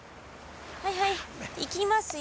はいはい行きますよ。